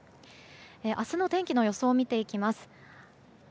明日の天気の予想を見ていきます。